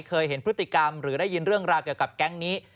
เคยเห็นพฤติกรรมหรือได้ยินเรื่องราวเกี่ยวกับแก๊งนี้